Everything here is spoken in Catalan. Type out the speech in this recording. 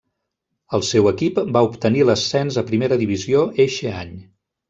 El seu equip va obtenir l'ascens a primera divisió eixe any.